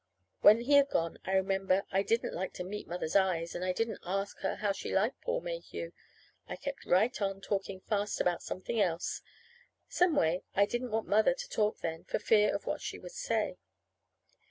When he had gone I remember I didn't like to meet Mother's eyes, and I didn't ask her how she liked Paul Mayhew. I kept right on talking fast about something else. Some way, I didn't want Mother to talk then, for fear of what she would say.